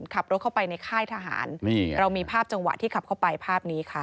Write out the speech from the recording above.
ขับรถเข้าไปในค่ายทหารนี่เรามีภาพจังหวะที่ขับเข้าไปภาพนี้ค่ะ